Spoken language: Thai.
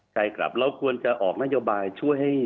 ใช่ครับเราควรจะออกนโยบายช่วยให้